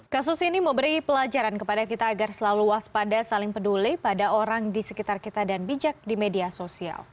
kasus ini memberi pelajaran kepada kita agar selalu waspada saling peduli pada orang di sekitar kita dan bijak di media sosial